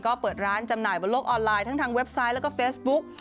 ก็เปิดร้านจำหน่ายบนโลกออนไลน์ทั้งทางเว็บไซต์แล้วก็เฟซบุ๊ก